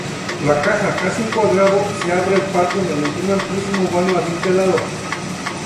La caja, casi un cuadrado, se abre al patio mediante un amplísimo vano adintelado.